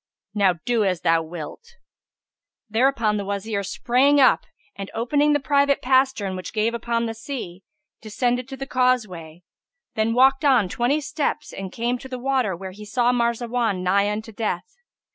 Now do as thou wilt." Thereupon the Wazir sprang up and, opening the private pastern which gave upon the sea, descended to the causeway; then walked on twenty steps and came to the water where he saw Marzawan nigh unto death.